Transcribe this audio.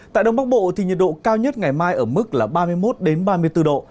tại đông bắc bộ thì nhiệt độ cao nhất ngày mai ở mức là ba mươi một ba mươi bốn độ